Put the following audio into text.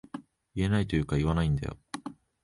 言えないというか言わないんだよ